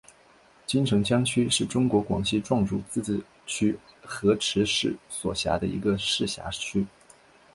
金城江区是中国广西壮族自治区河池市所辖的一个市辖区。